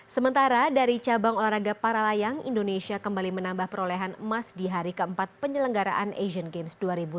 sementara dari cabang olahraga para layang indonesia kembali menambah perolehan emas di hari keempat penyelenggaraan asian games dua ribu delapan belas